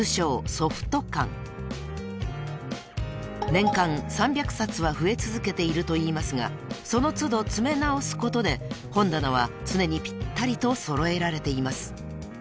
［年間３００冊は増え続けているといいますがその都度詰め直すことで本棚は常にぴったりと揃えられています］